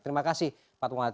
terima kasih pak tmawati